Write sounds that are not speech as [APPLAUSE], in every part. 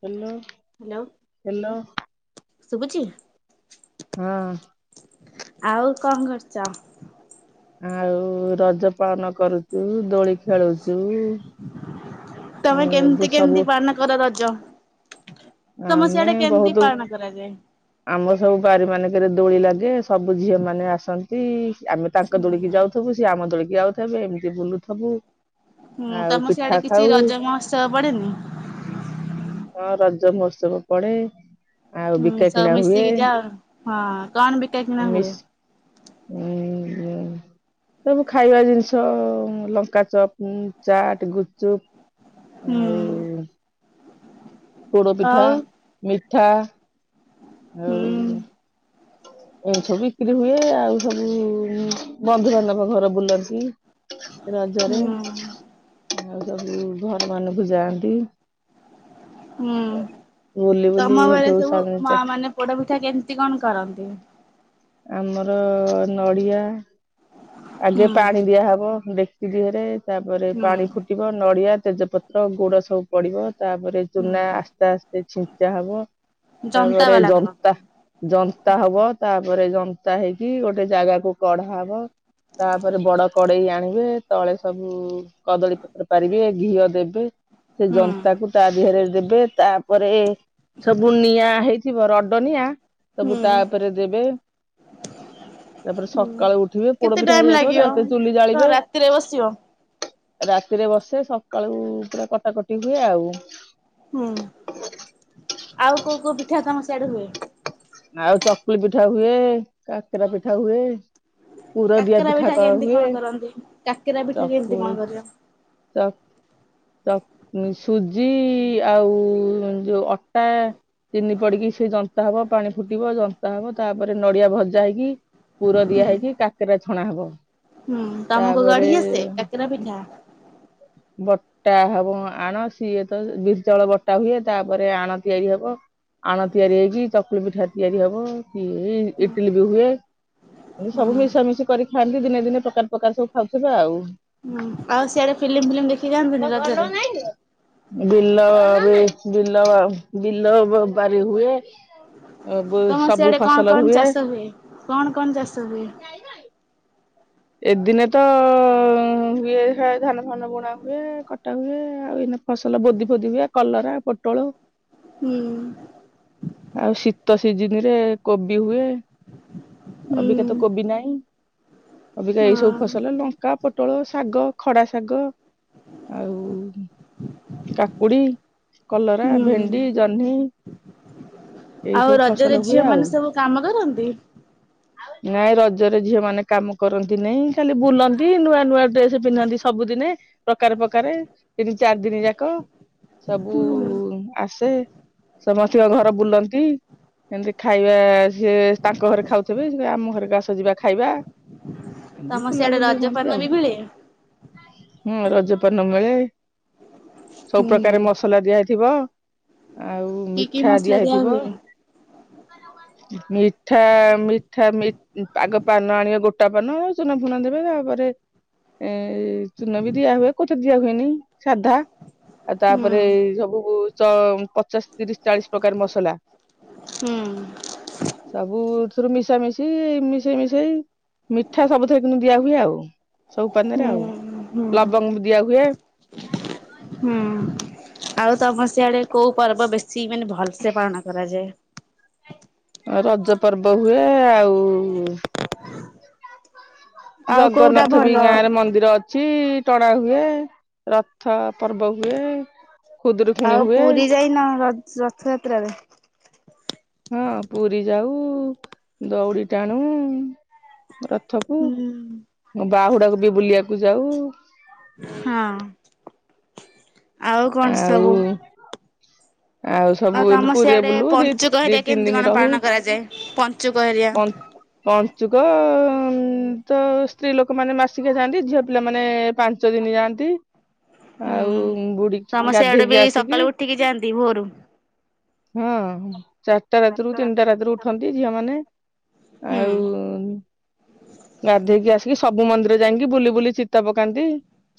Hello. Hello. Hello. ଶୁଭୁଛି ଶୁବୁଚି? ହଁ। ଆଉ କଣ କରୁଚ? ଆଉ ରଜ ପାଳନ କରୁଚୁ, ଦୋଳି ଖେଳୁଚୁ। ତମେ କେମତି କେମତି ପାଳନ କର ରଜ? ତମ ଆମେ ସିଆଡେ କେମତି ବହୁତ ପାଳନ କରାଯାଏ? ଆମ ସବୁ ବାରି ମାନଙ୍କରେ ଦୋଳି ଲାଗେ। ସବୁ ଝିଅ ମାନେ ଆସନ୍ତି। ଆମେ ତାଙ୍କ ଦୋଳିକି ଯାଉଥିବୁ ସିଏ ଆମ ଦୋଳିକି ଆଉଥିବେ ଏମିତି ବୁଲୁଥବୁ। ହୁଁ, ତମ ସିଆଡେ କିଛି ରଜ ମହୋତ୍ସବ ପଡେନି? ହଁ ରଜ ମହୋତ୍ସବ ପଡେ। ଆଉ ହୁଁ ବିକା କିଣା ସବୁ ହୁଏ ମିଶିକି ଯାଅ। ହଁ କଣ ବିକା ଆଉ କିିଣା ହୁଏ? ମିସ୍ ଉଁ ସବୁ ଖାଇବା ଜିନିଷ ଲଙ୍କା ଚପ୍, ଚାଟ, ଗୁପଚୁପ୍। ହୁଁ। ପୋଡ଼ପିଠା, ଆଉ ମିଠା ହୁଁ ଆଉ ଏମତି ସବୁ ବିକ୍ରି ହୁଏ। ଆଉ ସବୁ ବନ୍ଧୁବାନ୍ଧବ ଘର ବୁଲନ୍ତି। ରଜରେ ହୁଁ ଆଉ ସବୁ ଘର ମାନଙ୍କୁ ଯାଆନ୍ତି। ହୁଁ ବୁଲି ବୁଲି ହେଠୁ ସ ପୋଡ଼ପିଠା କେମତି କଣ କରନ୍ତି? ଆମର ନଡ଼ିଆ ଆଗେ ହୁଁ ପାଣି ଦିଆହବ ଡେକ୍ଚି ଦିହରେ, ତାପରେ ହୁଁ ପାଣି ଫୁଟି ନଡିଆ, ତେଜପତ୍ର, ଗୁଡ ସବୁ ପଡିବ। ତାପରେ ଚୁନା ହୁଁ ଆସ୍ତେ ଆସ୍ତେ ଛିଞ୍ଚା ହବ। ଜନ୍ତା ତାପରେ ବାଲା କରନ୍ତି। ଜନ୍ତା ଜନ୍ତା ହବ। ତାପରେ ଜନ୍ତା ହେଇକି ଗୋଟେ ଜାଗାକୁ କଢା ହବ। ତାପରେ ବଡ କଡେଇ ଆଣିବେ ତଳେ ସବୁ କଦଳୀ ପତ୍ର ପାରିବେ ଘିଅ ଦେବେ ସେ ହୁଁ ଜନ୍ତା କୁ ତା ଦେହରେ ଦେବେ। ତାପରେ ସବୁ ନିଆଁ ହେଇଥିବ ରଡ଼ ନିିଆଁ ସବୁ ହୁଁ ତାପରେ ଉପରେ ଦେବେ। ତାପରେ ସକାଳୁ ଉଠିବେ କେତେ ପୋଡପିଠା ଟାଇମ ହେଇଯାଇଥିବ। ତା ଲାଗିବ ପରେ ଚୁଲି କଣ ଜାଳିବେ। ରାତିରେ ବସିବ ରାତିରେ ବସେ, ସକାଳୁ ପୁରା କଟାକଟି ହୁଏ ଆଉ। ହୁଁ। ଆଉ କୋଉ କୋଉ ପିଠା ତମ ସିଆଡେ ହୁଏ? ଆଉ ଚକୁଳି ପିଠା ହୁଏ। କାକେରା ପିଠା ହୁଏ। ପୁର ଦିଆ କାକେରା ପିଠା କ କେମତି ହୁଏ କଣ କରନ୍ତି? କାକେରା ପିଠା କେମିତି କଣ କରିବ? ତ ଚ, ସୁଜି ଆଉ ଯୋଉ ଅଟା ଚତିିନି ପଡିକି ସେ ଜନ୍ତା ହବ ପାଣି ଫୁଟିବ ଜଂସା ହବ ତାପରେ ନଡିଆ ଭଜା ହେଇକି ପୁର ହୁଁ ଦିଆ ହେଇକି କା ଛଣା ହବ। ହୁଁ ତମକୁ ତାପରେ ଗାଢଡିଆସ କାକେରା ପିଠା ବତ ଟା ହବ ଆଣ ସିଏ ତ ବିୀର୍ ଜଳ ବଟା ହୁଏ ତାପରେ ଆଣ ତିଆରି ହବ ଆଣ ତିଆରି ହେଇକି ଚକୁଳି ପିଠା ତିଆରି ହବ ହୁଁ ଇଟିଲି ବି ହୁଏ ଏତି ହୁଁ ସବୁ ମିଶାମିଶି କରି ଖଥାନ୍ତି ଦିନେ ଦିନେ ପ୍ରକାର ପ୍ରକାର ସବୁ ଖାଉଥିବା ଆଉ ହୁଁ ଆଉ ସିଆଡେ ଫିଲ୍ମ ଫିଲ୍ମ ଦେଖି ଯାଆନ୍ତୁି ରଜରେ ବିଲ ବା ବିଲ ବା ବିଲବାରି ହୁଏ ଅ ତମର ସବୁ ସିଆଡେ କଣ ଫସଲ କଣ ହୁଏ ଚାଷ କଣ କଣ ଚାଷ ବି ଏଦିନେ ତ ଇଏ ଧାନ ଫାନ ବୁଣା ହୁଏ କଟା ହୁଏ ଆଉ ଏଇ ଫସଲ ବୋଦି ଫୋଦି ହୁଏ କଲରା ପୋଟଳ ହୁଁ। ଆଉ ଶୀତ ସିଜିନ ରେ କୋବି ହୁଏ ହୁଁ ଅବିକତ କୋବି ନାହିଁ! ଅବିକା ଏଇ ହଁ ସବୁ ଫସଲ ଲଙ୍କା ପୋଟଳ ଶାଗ ଖଡା ଶାଗ ଆଉ କାକୁଡି କଲରା ହୁଁ ଭେଣ୍ଡି ଜହ୍ନି ଏଇ ସବୁ ଆଉ ଫସଲ ରଜରେ ହୁଏ ଝିଅ ଆଉ ମାନେ ସବୁ କାମ କରନ୍ତି? ନାଇଁ ରଜରେ ଝିଅ ମାନେ କାମ କରନ୍ତି ନାଇଁ ଖାଲି ବୁଲନ୍ତି ନୂଆ ନୂଆ ଡ୍ରେସ ପିନ୍ଧନ୍ତି ସବୁଦିନେ ପ୍ରକାର ପ୍ରକ ତିନି ଚାରି ଦିନ ଯାକ ସବୁ ହୁଁ ଆସେ। ସମସ୍ତଙ୍କ ଘର ବୁଲନ୍ତି। ଏମିତି ଖାଇବା ସିଏ ତାଙ୍କ ଘରେ ଖାଉଥିବ ସେ ଆମ ଘରେକୁ ଆସ ଯିବା ଖାଇବା। ଏମିତି ତମ ଖୁଲା ସିଆଡେ ବୁଲି ରଜ ପାନ ହୁହନ୍ତି ଆଉ। ବି ମିଳେ? ହୁଁ ରଜ ପର୍ନ ମିଳେ ସବୁ ହୁଁ ପ୍ରକାର ମସଲା ଦିଆଇଥିବ। ଆଉ କି କି ମିଠା ମସଲା ଦିଆ ହେଇଥିବ। ହୁଏ? ମିଠା ମିଠା ପାଗ ପାନ ଆଣିବ ଗୋଟେ କଟା ପାନ ସୁୁନା ଫୁନା ଦେବେ ତାପରେ ଏ ଚୂନ ବି ଦିଆ ହୁଏ କୋଥା ଦିଆ ହୁଏନି ସାଧା ଆଉ ହୁଁ ତାପରେ ଏ ସବୁ ପଚାଶ ତିରିଶ ଚାଳିଶ ପ୍ରକାର ମସଲା ହୁଁ। ସବୁଥିରୁ ମିଶା ମିଶି ମିଶେଇ ମିଶେଇ ମିଠା ସବୁଥିରେ କିନ୍ତୁ ଦିଆ ହୁଏ ଆଉ ସବୁ ହୁଁ ପାଣିରେ ଆଉ ହୁଁ ଲବଙ୍ଗ ବି ଦିଆ ହଏ ହୁଁ ଆଉ ତମସି ଆଡେ କୋଉ ପର୍ବ ବେଶୀ ମାନେ ଭଲ ସେେ ପାଳନ କରାଯାଏ। ରଜ ପର୍ବ ହୁଏ ଆଉ। ଆଉ କୋଉଟା ଜଗନ୍ନାଥ ଭଲ ବି ଗାଁ ରେ ମନ୍ଦିର ଅଛି। କିଛି ଟଣାା ହୁଏ ରଥ ପର୍ବ ହୁଏ। ଖୁଦୁରୁକୁଣୀ ଆଉ ହୁଏ ପୁରୀ ଯାଇନ ରଥଯାତ୍ରାରେ ହଁ ପୁରୀ ଯାଉ ଦଉଡ଼ି ଟାଣୁ ରଥକୁ ହୁଁ ମୋ ବାହୁୁଡାକ ବି ବୁଲିବାକୁ ଯାଉ ହଁ ଆଉ କଣ ଆଉ ସବୁ ଆଉ ସବୁ ଏତି ତମ ପୁରୀରେ ସିଆଡେ ବୁଲୁ ଦି ପଞ୍ଚୁକ ଦି ହେରିକା ତିନି କେମିତି ଦିନ କଣ ରହୁ ପାଳନ କରାଯାଏ ପଞ୍ଚୁକ ହେରିକା? କ ପଞ୍ଚୁକ ତ ସ୍ତ୍ରୀ ଲୋକମାନୋନେ ମାସିକିଆ ଯାଆନ୍ତି ଝିଅ ପିଲା ମାନେ ପାଞ୍ଚ ପାଞ୍ଚ ଦିନ ଯାଆନ୍ତି ଆଉ ବୁଡ଼ିକି ସମସ୍ତେ ସିଆଡେ ବି ସକାଳୁ ଉଠିକି ଯାଆନ୍ତି ଭୋରୁ? ହଁ ଚା ଚାରିଟା ରାତିରୁ ତିନିଟା ରାତିରୁ ଉଠନ୍ତି ଝିଅ ମାନେ ହୁଁ ଆଉ ଗାଧେଇକି ଆସିକି ସବୁ ମନ୍ଦିର ଯାଇକି ବୁଲି ବୁଲି ଚିତା ପକାନ୍ତି।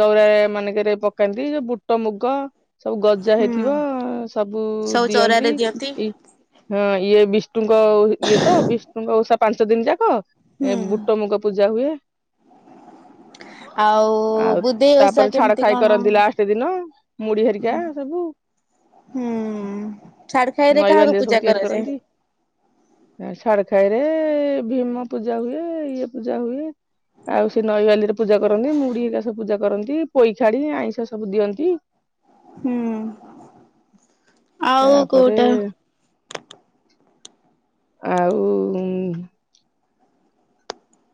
ଚଉରା ମାନଙ୍କରେ ପକାନ୍ତି ଯୋଉ ବୁଟ ମୁଗ ଗ ସବୁ ଗଜା ହୁଁ ହେଇଥିବ ସବୁ ଦିଅନ୍ତି ଏଇ ହଁ ଇଏ ବିଷ୍ଣୁଙ୍କ ଇଏ ତ ବିଷ୍ଣୁଙ୍କ ଓଷା ପାଞ୍ଚ ଦିନ ଯାକ। ଏ ହୁଁ। ବୁଟ ମୁୁଗ ପୂଜା ହୁଏ। ଆଉ ଆଉ ବୁଧେଇ ଓଷା ତାପରେ ଛାଡ଼ କେମିତି ଖାଇ କଣ? କରନ୍ତି ଲାଷ୍ଟେ ଦିନ। ମୁଢ଼ି ହରିକା ସବୁ। ହୁଁ ଛାଡ଼ ଖାଇରେ ନଈ କାହାକୁ ବାଲିରେ ପୂଜା କରାଯାଏ। ଛାଡ଼ ଖାଇରେ ଭୀମ ପୂଜା ହୁଏ ଇଏ ପୂଜା ହୁଏ। ଆଉ ସେ ନଈବାଲି ରେ ପୂଜା କରନ୍ତି ମୁଢ଼ି ହେରିକା ସବୁ ପୂଜା କରନ୍ତି ପୋଇଖାଡ଼ି ଆଇଁଷ ସବୁ ଦିଅନ୍ତି। ହୁଁ ଆଉ କୋଉଠି। ତାପରେ ଆଉ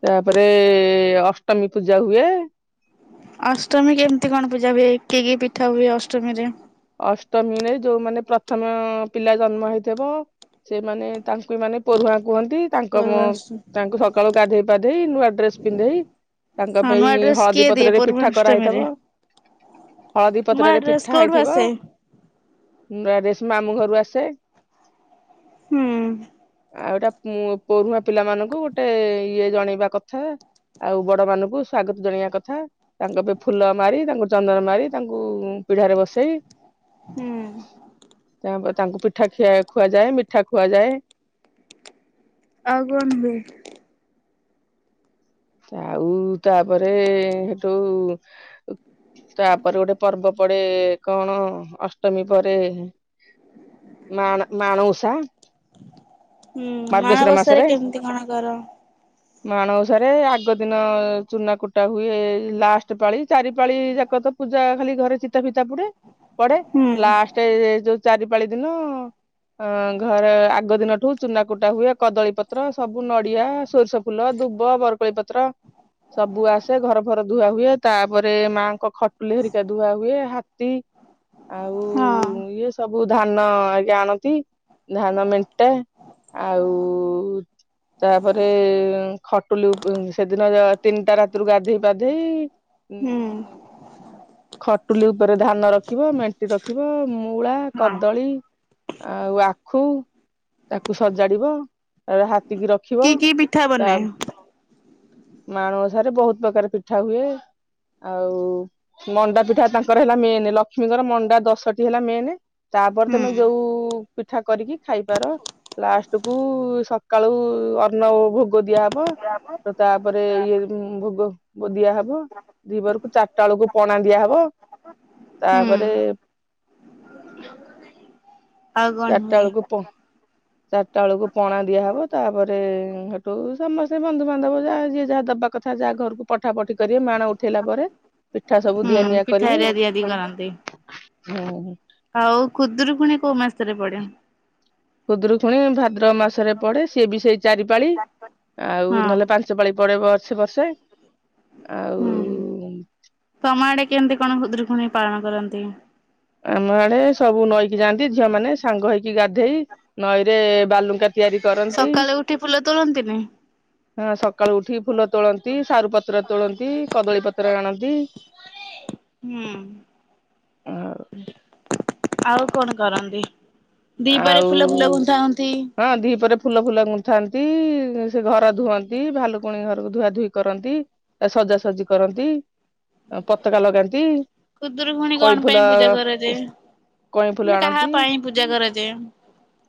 ତାପରେ ଅଷ୍ଟମୀ ପୂଜା ହୁଏ। ଅଷ୍ଟମୀ କେମିତି କଣ ପୂଜା ହୁଏ କି କି ପିଠା ହୁଏ ଅଷ୍ଟମୀରେ। ଅଷ୍ଟମୀରେ ଯୋଉମାନେ ପ୍ରଥମ ପିଲା ଜନ୍ମ ହେଇଥିବ ସେମାନେ ତାଙ୍କୁ ମାନେ ପରୁୁଆଁ କୁହନ୍ତି। ତାଙ୍କ ମୁଁ ପର୍ବାଣଷ୍ଟମୀ ତାଙ୍କୁ ସକାଳୁ ଗାଧେଇ ପାଧେଇ ନୂଆ ଡ୍ରେସ ପିନ୍ଧେଇ ତାଙ୍କ ହଁ ପାଇଁ ନୂଆ ଡ୍ରେସ ହଳଦୀ କିଏ ଦିଏ ପତ୍ରରେ ପିଠା ପର୍ବାଣଷ୍ଟମୀରେ? କରାହେଇଥବ। ହଳଦୀ ପତ୍ରରେ ପିଠା ହେଇଥିବ। ସେ ନୁଆ ଡ୍ରେସ ମାମୁଁ ଘରୁ ଆସେ। ହୁଁ। ଆଉ ଏଟା ପରୁଆ ପିଲାମାନଙ୍କୁ ଗୋଟେ ଇଏ ଜଣେଇବା କଥା। ଆଉ ବଡ଼ ମାନଙ୍କୁ ସ୍ଵାଗତ ଜାଣେଇବା କଥା। ତାଙ୍କ ପାଇଁ ଫୁଲ ମାରି ତାଙ୍କ ଚନ୍ଦନ ମାରି ତାଙ୍କୁ ପିଢ଼ାରେ ବସି ହୁଁ। ସେଇ ତାଙ୍କୁ ପିଠା ଖିଆ ଖୁଆଯାଏ ମିଠା ଖୁଆଯାଏ। ଆଉ କଣ ହୁଏ। ଆଉ ତାପରେ ହେଟୁ ତାପରେ ଗୋଟେ ପର୍ବ ପଡ଼େ କଣ ଅଷ୍ଟମୀ ପରେ ମାଣ ମାଣଓଷା ହୁଁ ମାଣବସାରେ କେମିତି କଣ କର? ମାଣବସାରେ ଆଗ ଦିନ ଚୁନା କୁଟା ହୁଏ ଲାଷ୍ଟେ ପାଳି ଚାରି ପାଳି ଯାକ ତ ପୂଜା ଖାଲି ଘରେ ଫିତା ଫିତା ପୁଡେ ପଡ଼େ ହୁଁ ଲାଷ୍ଟେ ଯୋଉ ଚାରି ପାଳି ଦିନ ଅ ଘରେ ଆଗ ଦିନଠୁ ଚୁନା କୁଟା ହୁଏ କଦଳୀ ପତ୍ର ସବୁ ନଡ଼ିଆ ସୋରିଷ ଫୁଲ ଦୁବ ବରକୋଳି ପତ୍ର ସବୁ ଆସେ ଘର ଫର ଧୁଆ ହୁଏ ତାପରେ ମାଆଙ୍କ ଖଟୁଲି ହରିକା ଧୁଆ ହୁଏ ତାପରେ ହାତୀ ଆଉ ହଁ ଇଏ ସବୁ ଧାନ ଆଗେ ଆଣନ୍ତି ଧାନ ମେଣ୍ଟେ ଆଉ ତାପରେ ଖଟୁଲି ଉ ଉ ସେଦିନ ତିନିଟା ରାତିରୁ ଗାଧେଇ ପାଧେଇ ଉ ହୁଁ। ଖଟୁଲି ଉପରେ ଧାନ ରଖିବ ମେଣ୍ଟ ରଖିବ ମୂଳା ହଁ କଦଳୀ ଆଉ ଆଖୁ ତାକୁ ସଜାଡ଼ିବ ତା ହାତୀ କିି ରଖି କି କି ପିଠା ବନେ। ମାଣ ଓଷାରେ ବହୁତ ପ୍ରକାର ପିଠା ହୁଏ ଆଉ ମଣ୍ଡା ପିଠା ତାଙ୍କର ହେଲା ମେନେ ଲକ୍ଷ୍ମୀଙ୍କର ମଣ୍ଡା ଦଶଟି ହେଲା ମେନେ ତାପରେ ହୁଁ ତମେ ଯୋଉ ପିଠା କରିକି ଖାଇପାର। ଲାଷ୍ଟେ କୁ ସକାଳୁ ଅନ୍ନ ଭୋଗ ଦିଆହବ। ତ ତାପରେ ଇଏ ଭୋଗ ବ ଦିଆ ହବ। ଦିିପରକୁ ଚାରିଟା ବେଳକୁ ପଣା ଦିଆହବ ହୁଁ ତାପରେ ଚାରିଟା ବେଳକୁ ପ ହ ଚାରିଟା ବେଳକୁ ପଣା ଦିଆହବ ତାପରେ ସେଠୁ ସମସ୍ତେ ବନ୍ଧୁବାନ୍ଧବ ଯାହା ଯିଏ ଯାହା ଦବା କଥା ଯାହା ଘରକୁ ପଠା ପଠି କରେ ମାଣ ଉଠେଇଲା ପରେ ପିଠା ସବୁ ହୁଁ ଦିଆ ନିଆ ପିଠା କରିବି ହେରିଆ ଦିଆ ଦି କରନ୍ତି। ହୁଁ ଆଉ ଖୁଦରୁକୁଣି କୋଉ ମାସରେ ପଡେ? ଖୁଦରୁ ଖୁଣି ଭାଦ୍ରବମାସରେ ପଡେ ସିଏ ବି ସେଇ ଚାରି ପାାଳି ଆଉ ହଁ ନହେଲେ ପାଞ୍ଚ ପାଞ୍ଚ ପାଳି ପଡେ ବର୍ଷେ ବର୍ଷେ ହୁଁ ଆଉ ତମ ଆଡେ କେମିତି କଣ ଖୁଦୁରୁକୁଣୀ ପାଳନ କରନ୍ତି? ଆମ ଆଡେ ସବୁ ନଈକି ଯାଆନ୍ତି ଝିଅ ମାନେ ସାଙ୍ଗ ହେଇକି ଗାଧେଇ ନଈରେ ବାଲୁଙ୍କା ତିଆରି କରନ୍ତି ସକାଳେୁ ଉଠି ଫୁଲ ତୋଳନ୍ତିନି? ହଁ ସକାଳୁ ଉଠି ଫୁଲ ତୋଳନ୍ତି ସାରୁ ପତ୍ର ତୋଳନ୍ତି କଦଳୀ ପତ୍ର ଆଣନ୍ତି। ହୁଁ। ହୁଁ। ଆଉ କଣ କରନ୍ତି? ଦିପହରେ ଆଉ ଫୁଲ ଫୁଲଗୁନ୍ଥା ଗୁନ୍ଥି ହଁ ଦି ପହରେ ଫୁଲ ଫୁଲ ଗୁଥାନ୍ତି ସେ ଘର ଧୁଅନ୍ତି ଭାଲୁକୁଣି ଘରକୁ ଧୁଆ ଧୋଇ କରନ୍ତି। ସଜାସଜି କରନ୍ତି ପତାକା ଲଗାନ୍ତି। ଖୁଦରୁକୁଣି କଇଁ କଣ ଫୁଲ ପାଇଁ ପୂଜା କରାଯାଏ? କଇଁ ଫୁଲ ମାନେ କାହା ଆଣନ୍ତି ପାଇଁ ପୂଜା କରାଯାଏ?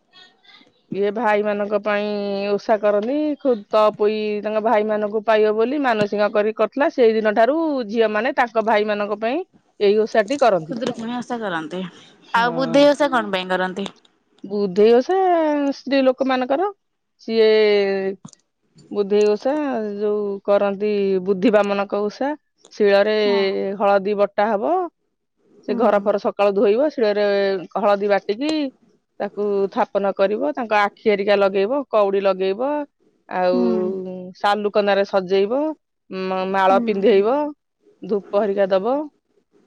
[INAUDIBLE] ଇଏ ଭାଇମାନାନଙ୍କ ପାଇଁ ଓଷା କରନ୍ତି ଖୁଦ ତଅପୁଇ ତାଙ୍କ ଭାଇ ମାନଙ୍କୁ ପାଇବ ବୋଲି ମାନସିକ କରି କରିଥିଲା ସେଇ ଦିନ ଠାରୁ ଝିଅ ମାନେ ତାଙ୍କ ଭାଇ ମାନଙ୍କ ପାଇଁ ଏଇ ଓଷାଟି କରନ୍ତି। ଖୁଦୁରୁକୁଣୀ ଓଷା କରନ୍ତି ଆଉ ବୁଦ୍ଧେଈ ଓଷା କଣ ପାଇଁ କରନ୍ତି? ବୁଦ୍ଧେଇ ଓସା ସ୍ତ୍ରୀ ଲୋକ ମାନଙ୍କର ସିଏ ବୁଦ୍ଧେଇ ଉଷା ଯୋଉ କରନ୍ତି ବୁଦ୍ଧି ବାମନକ ଉଷା ଶିଳରେ ହଁ ହଳଦୀ ବଟା ହବ ସେ ହୁଁ ଘର ଫର ସକାଳୁ ଧୋଇବ ଶିଳରେ ହଳଦୀ ବାଟ [UNINTELLIGIBLE] ିକି ତାକୁ ଥାପନ କରିବ ତାଙ୍କ ଆଖି ଆରିକା ଲଗେଇବ କଉଡି ଲଗେଇବ ହୁଁ ଆଉ ସାଲୁକନାରେ ସଜେଇବ ଉ ମାଳ ହୁଁ ପିନ୍ଧେଇବ ଧୂପ ହେରିକା ଦବ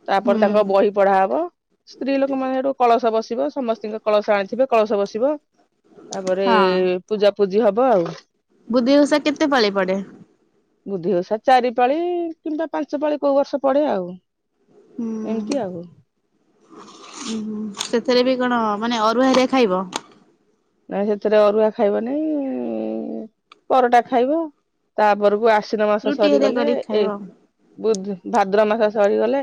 ତାପରେ ହୁଁ ତାଙ୍କ ବହି ପଢା ହବ ସ୍ତ୍ରୀ ଲୋକ ମାନେ ସେଠୁ କଳସ ବସିବ ସମସ୍ତିଙ୍କ କଳସ ଆଣିଥିବେ କଳସ ବସିବ ତାପରେ ହଁ ପୂଜା ପୂଜି ହବ ଆଉ ବୁଦ୍ଧେଇ ଓଷା କେତେ ପାଳି ପଡେ? ବୁଦ୍ଧେଈ ଓସା ଚାରି ପାଳି କିମ୍ବା ପାଞ୍ଚ ପାଳି କୋଉ ବର୍ଷ ପଡେ ଆଉ ଏମିତି ଆଉ ଉ ସେଥିରେ ବି କଣ ମାନେ ଅରୁଆ ହେରିଆ ଖାଇବ? ନାଇ ସେଥିରେ ଅରୁଆ ଖାଇବ ନାଇଁ ପରଟା ଖାଇବ ତାପରକୁ ଆସ ନ ମାସ ରୁଟି ହେରିଆ ସରିଗଲେ କରିକି ଏଇ ଖାଇବ ବୁଧ ଭାଦ୍ରବ ମାସ ସରିଗଲେ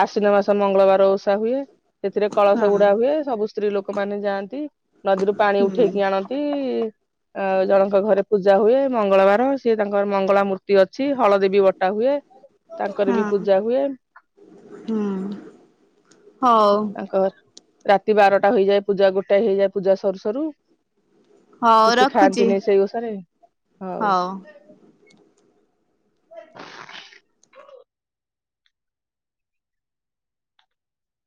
ଆଶ୍ୱିନ ମାସ ମଙ୍ଗଳବାର ଓଷା ହୁଏ ସେଥିରେ କଳସ ହଁ ଗୁଡା ହୁଏ ସବୁ ସ୍ତ୍ରୀ ଲୋକମାନେ ଯାଆନ୍ତି ନଦୀରୁ ପାଣି ହୁଁ ଉଠେଇକି ଆଣନ୍ତି [UNINTELLIGIBLE] ଆ ଜଣଙ୍କ ଘରେ ପୂଜା ହୁଏ ମଙ୍ଗଳବାର ସିଏ ତାଙ୍କର ମଙ୍ଗଳା ମୂର୍ତ୍ତି ଅଛି ହଳଦିବୀ ବଟା ଟା ହୁଏ ତାଙ୍କର ବି ହଁ। ପୂଜା ହୁଏ ହୁଁ ହଉ। ତାଙ୍କ ରାତି ବାରଟା ହେଇଯାଏ ପୂଜା ଗୋଟାଏ ହେଇଯାଏ ପୂଜା ସରୁ ସରୁ ହଉ କିଛି ରଖୁଛି ଖାଆନ୍ତିନିଁ ସେଇ ଓଷାରେ ହଉ [INAUDIBLE]